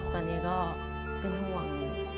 ตอนนี้ก็เป็นห่วง